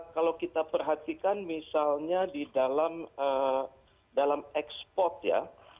kalau kita perhatikan misalnya di dalam ekspor ya